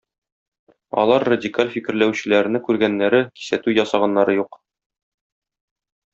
Алар радикаль фикерләүчеләрне күргәннәре, кисәтү ясаганнары юк.